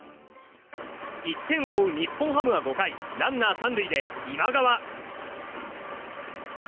１点を追う日本ハムは５回ランナー３塁で今川。